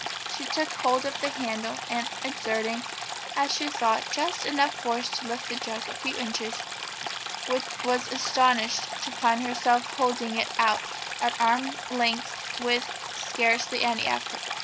She took hold of the handle, and exerting, as she thought, just enough force to lift the jug a few inches, was astonished to find herself holding it out at arm's length with scarcely any effort.